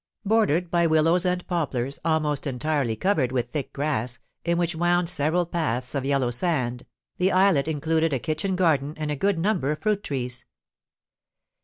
Bordered by willows and poplars, almost entirely covered with thick grass, in which wound several paths of yellow sand, the islet included a kitchen garden and a good number of fruit trees.